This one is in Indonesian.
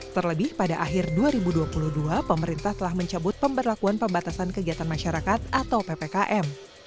terlebih pada akhir dua ribu dua puluh dua pemerintah telah mencabut pemberlakuan pembatasan kegiatan masyarakat atau ppkm